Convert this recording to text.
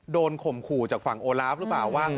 ข่มขู่จากฝั่งโอลาฟหรือเปล่าว่า